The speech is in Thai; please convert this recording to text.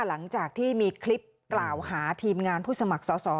หลังจากที่มีคลิปกล่าวหาทีมงานผู้สมัครสอสอ